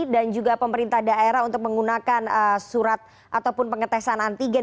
dan juga pemerintah daerah untuk menggunakan surat ataupun pengetesan antigen